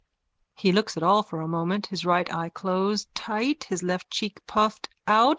_(He looks at all for a moment, his right eye closed tight, his left cheek puffed out.